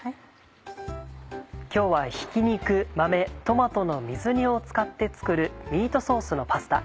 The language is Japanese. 今日はひき肉豆トマトの水煮を使って作るミートソースのパスタ